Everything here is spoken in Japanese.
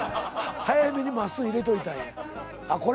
早めにまっすん入れといたんや。